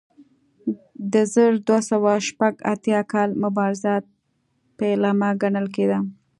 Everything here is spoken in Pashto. د زر دوه سوه شپږ اتیا کال مبارزات پیلامه ګڼل کېده.